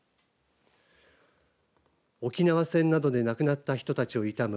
沖縄戦などで亡くなった人たちを悼む